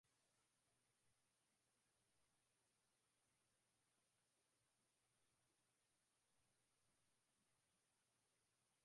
Uwepo wa Imani za kimaasai za kichawi unajidhihirisha wakati wa majanga na kujitoa muhanga